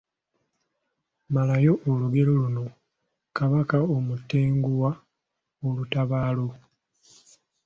Malayo olugero luno: Kabaka omutenguwa olutabaalo, ……